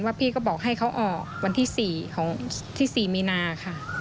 พี่ก็บอกให้เขาออกวันที่๔ของที่๔มีนาค่ะ